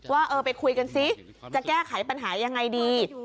ว่าเออไปคุยกันซิจะแก้ไขปัญหายังไงดี